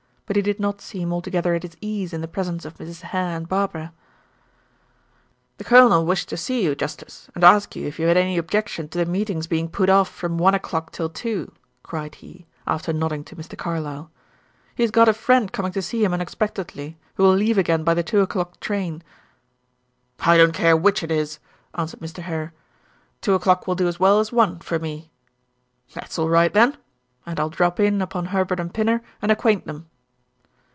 But he did not seem altogether at his ease in the presence of Mrs. Hare and Barbara. "The colonel wished to see you, justice, and ask you if you had any objection to the meeting's being put off from one o'clock till two," cried he, after nodding to Mr. Carlyle. "He has got a friend coming to see him unexpectedly who will leave again by the two o'clock train." "I don't care which it is," answered Mr. Hare. "Two o'clock will do as well as one, for me." "That's all right, then; and I'll drop in upon Herbert and Pinner and acquaint them."